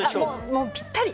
もうぴったり！